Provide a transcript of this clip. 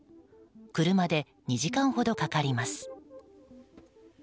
車で２時間ほどかかります。